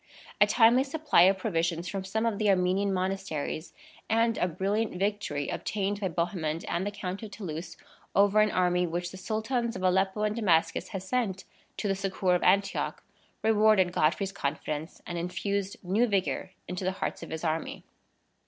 A timely supply of provisions from some of the Armenian monasteries, and a brilliant victory obtained by Bohemond and the Count of Toulouse over an army which the Sultans of Aleppo and Damascus had sent to the succor of Antioch, rewarded Godfrey's confidence and infused new vigor into the hearts of his army.